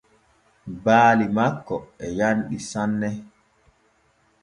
Baali makko e yanɗi sane.